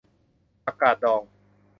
ผักกาดดอง